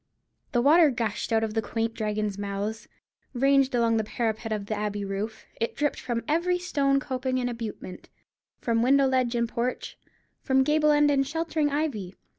The water gushed out of the quaint dragons' mouths, ranged along the parapet of the Abbey roof; it dripped from every stone coping and abutment; from window ledge and porch, from gable end and sheltering ivy.